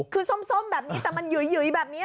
คือส้มแบบนี้แต่มันหยุยแบบนี้